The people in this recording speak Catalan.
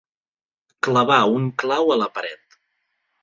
Clavar un clau a la paret.